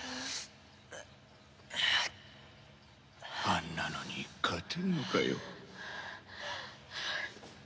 あんなのに勝てるのかよ？